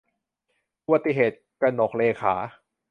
อุบัติเหตุ - กนกเรขา